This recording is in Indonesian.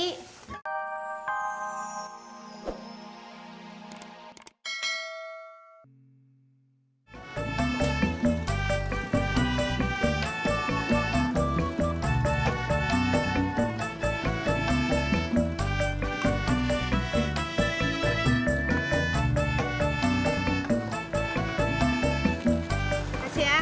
terima kasih ya